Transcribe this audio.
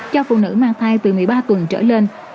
cho phụ nữ mang thai từ một mươi ba tuần trở lên